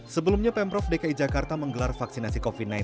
sebelumnya pemprov dki jakarta menggelar vaksinasi covid sembilan belas